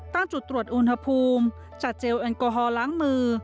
ตั้งจุดตรวจอุณหภูมิจัดเจลแอลกอฮอลล้างมือ